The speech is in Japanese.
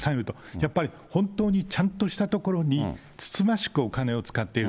やっぱり、本当にちゃんとしたところにつつましくお金を使っている。